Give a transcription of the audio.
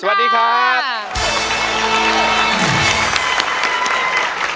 สวัสดีครับ